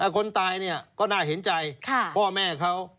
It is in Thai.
คนตายนี่ก็เป็นพ่อแม่เขา